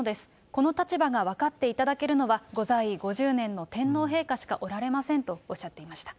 この立場が分かっていただけるのはご在位５０年の天皇陛下しかおられませんとおっしゃっていました。